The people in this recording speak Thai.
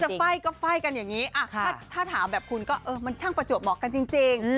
ไฟ่ก็ไฟ่กันอย่างนี้ถ้าถามแบบคุณก็มันช่างประจวบเหมาะกันจริง